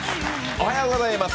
おはようございます。